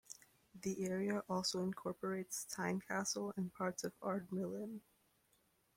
The area also incorporates Tynecastle and parts of Ardmillan.